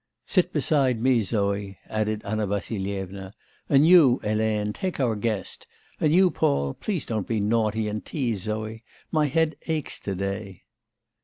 'Sit beside me, Zoé,' added Anna Vassilyevna, 'and you, Hélène, take our guest; and you, Paul, please don't be naughty and tease Zoé. My head aches to day.